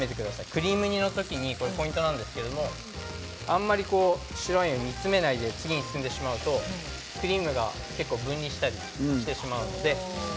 クリーム煮の時のポイントなんですが白ワインを煮詰めないで次に進んでしまうとクリームが分離したりしてます。